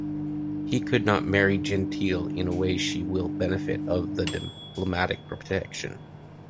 He could not marry Gentille in a way she will benefit of the diplomatic protection.